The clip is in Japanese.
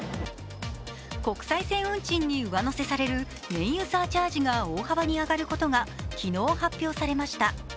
国際線運賃に上乗せされる燃油サーチャージが大幅に上がることが昨日発表されました。